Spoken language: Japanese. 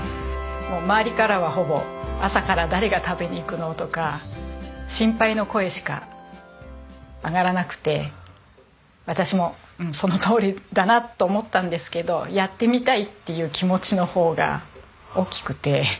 周りからはほぼ「朝から誰が食べに行くの」とか心配の声しか上がらなくて私もそのとおりだなと思ったんですけどやってみたいっていう気持ちの方が大きくて。